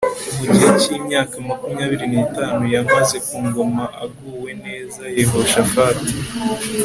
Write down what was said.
Mu gihe cyimyaka makumyabiri nitanu yamaze ku ngoma aguwe neza Yehoshafati